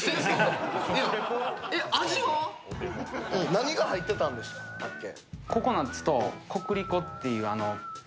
何が入ってたんでしたっけ？